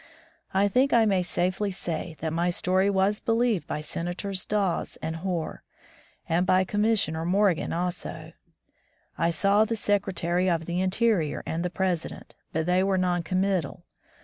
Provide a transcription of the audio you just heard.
I think I may safely say that my story was believed by Senators Dawes and Hoar, and by Commissioner Morgan also. I saw the 133 From the Deep Woods to CioUization Secretary of the Interior and the President, but they were non committal.